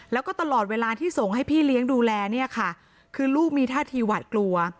แล้วก็ตลอดเวลาที่ส่งให้พี่เลี้ยงดูแลเนี่ยค่ะคือลูกมีท่าทีหวาดกลัว